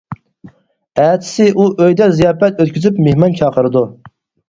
ئەتىسى ئۇ ئۆيدە زىياپەت ئۆتكۈزۈپ مېھمان چاقىرىدۇ.